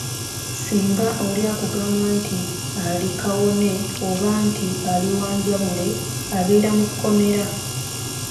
Singa oli akugamba nti ali kawone oba nti ali wanjabule abeera mu kkomera.